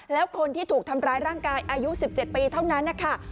แล้วคนที่ถูกทำร้ายร่างกายอายุ๑๗ปีเท่านั้นนะคะ